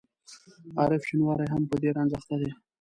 عارف شینواری هم په دې رنځ اخته دی.